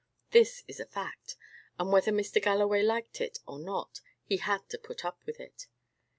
This is a fact: and whether Mr. Galloway liked it, or not, he had to put up with it.